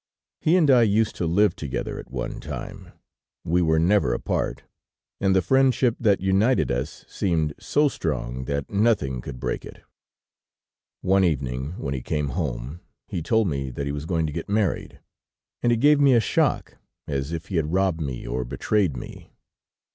"He and I used to live together at one time. We were never apart, and the friendship that united us seemed so strong that nothing could break it. "One evening when he came home, he told me that he was going to get married, and it gave me a shock as if he had robbed me or betrayed me.